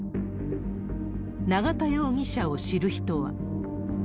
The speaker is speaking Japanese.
永田容疑者を知る人は。